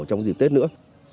trong dịp tết nữa